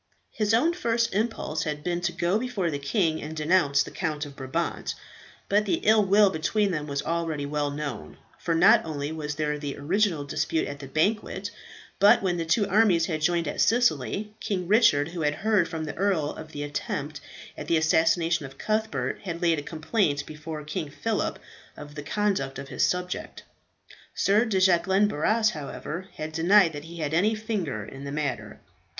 His own first impulse had been to go before the king and denounce the Count of Brabant. But the ill will between them was already well known; for not only was there the original dispute at the banquet, but when the two armies had joined at Sicily, King Richard, who had heard from the earl of the attempt at the assassination of Cuthbert, had laid a complaint before King Phillip of the conduct of his subject. Sir de Jacquelin Barras, however, had denied that he had any finger in the matter.